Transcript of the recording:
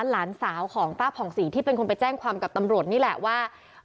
หลานสาวของป้าผ่องศรีที่เป็นคนไปแจ้งความกับตำรวจนี่แหละว่า